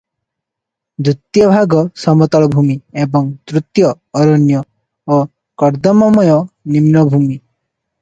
ଦ୍ୱିତୀୟ ଭାଗ ସମତଳଭୂମି ଏବଂ ତୃତୀୟ ଅରଣ୍ୟ ଓ କର୍ଦ୍ଦମମୟ ନିମ୍ନଭୂମି ।